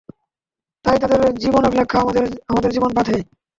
তাই তাঁদের জীবনালেখ্য আমাদের জীবন পাথেয়।